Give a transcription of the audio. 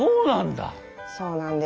そうなんだ！